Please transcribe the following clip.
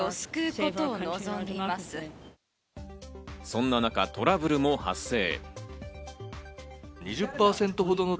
そんな中、トラブルも発生。